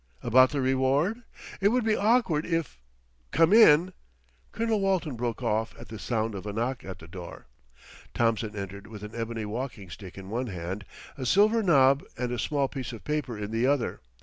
"About the reward? It would be awkward if Come in." Colonel Walton broke off at the sound of a knock at the door. Thompson entered with an ebony walking stick in one hand, a silver knob and a small piece of paper in the other.